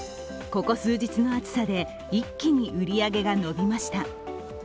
ここ数日の暑さで一気に売り上げが伸びました。